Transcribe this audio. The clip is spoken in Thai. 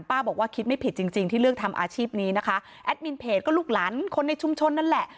บอกว่าคิดไม่ผิดจริงจริงที่เลือกทำอาชีพนี้นะคะแอดมินเพจก็ลูกหลานคนในชุมชนนั่นแหละ